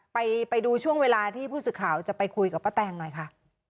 ไปดูช่วงเวลาที่ผู้สื่อข่าวจะไปคุยกับป้าแตงหน่อยค่ะ